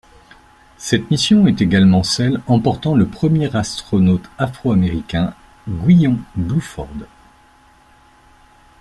Cette mission est également celle emportant le premier astronaute afro-américain, Guion Bluford.